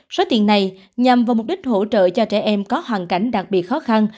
số tiền này nhằm vào mục đích hỗ trợ cho trẻ em có hoàn cảnh đặc biệt khó khăn